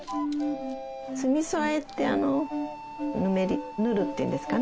酢みそ和えってぬめりぬるっていうんですかね